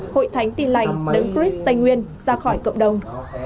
hội thánh tin lành đứng cris tây nguyên ra khỏi cộng đồng